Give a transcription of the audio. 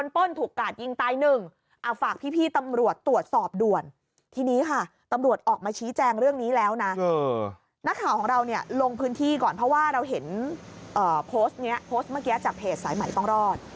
เพราะว่าเราเห็นโพสต์เนี่ยโพสต์เมื่อกี้จากเพจสายใหม่ต้องรอด